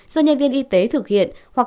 do nhân viên y tế thực hiện hoặc